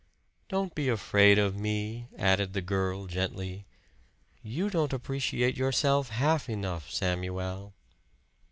"Don't be afraid of me," added the girl gently. "You don't appreciate yourself half enough, Samuel."